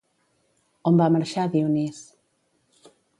On va marxar Dionís?